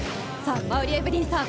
馬瓜エブリンさん